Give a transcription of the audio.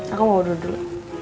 aku mau duduk dulu